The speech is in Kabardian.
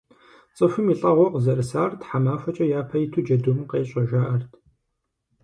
ЦӀыхум и лӀэгъуэ къызэрысар тхьэмахуэкӀэ япэ иту джэдум къещӀэ, жаӀэрт.